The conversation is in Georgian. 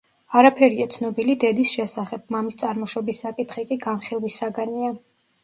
არაფერია ცნობილი დედის შესახებ, მამის წარმოშობის საკითხი კი, განხილვის საგანია.